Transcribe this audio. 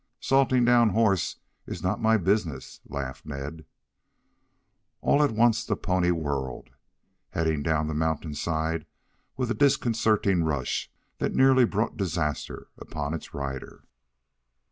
"Salting down horse is not my business," laughed Ned. All at once the pony whirled, heading down the mountain side with a disconcerting rush that nearly brought disaster upon its rider.